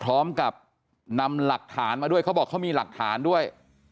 พร้อมกับนำหลักฐานมาด้วยเขาบอกเขามีหลักฐานด้วย